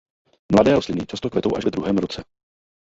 Mladé rostliny často kvetou až ve druhém roce.